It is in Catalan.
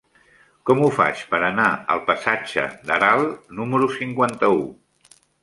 Com ho faig per anar al passatge d'Aral número cinquanta-u?